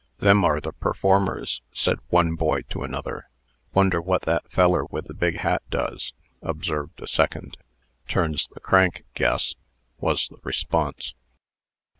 "Them are the performers," said one boy to another "Wonder what that feller with the big hat does?" observed a second. "Turns the crank, guess," was the response.